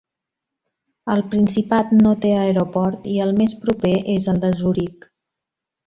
El principat no té aeroport i el més proper és el de Zuric.